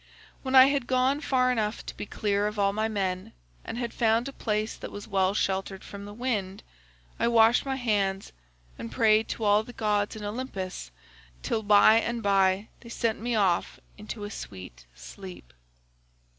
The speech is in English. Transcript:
When I had gone far enough to be clear of all my men, and had found a place that was well sheltered from the wind, I washed my hands and prayed to all the gods in Olympus till by and by they sent me off into a sweet sleep.